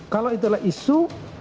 kalau itu adalah isu